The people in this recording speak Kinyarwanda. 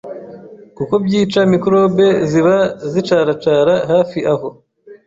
kuko byica microbe ziba zicaracara hafi aho.